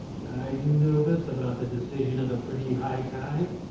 "Are you nervous about the decision of the pretty High Ki?"